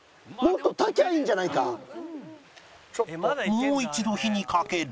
もう一度火にかける